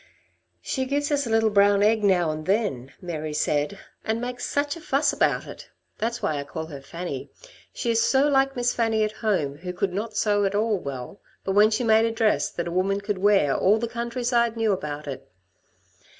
"She gives us a little brown egg now and then," Mary said, "and makes such a fuss about it! That's why I call her Fanny. She is so like Miss Fanny at home who could not sew at all well, but when she made a dress that a woman could wear all the countryside knew about it.